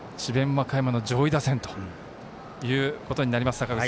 和歌山の上位打線ということになります。